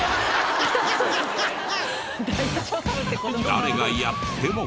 誰がやっても。